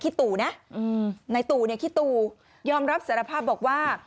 ตู่นะในตู่เนี่ยขี้ตู่ยอมรับสารภาพบอกว่า